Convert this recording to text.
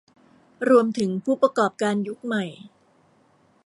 รวมถึงผู้ประกอบการยุคใหม่